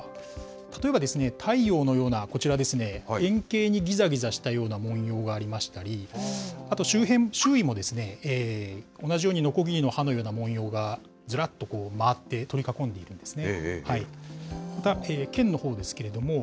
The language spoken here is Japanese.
例えばですね、太陽のような、こちらですね、円形にぎざぎざしたような文様がありましたり、あと周囲もですね、同じように、のこぎりの刃のような文様がずらっと回って、取り囲んでいるんですね。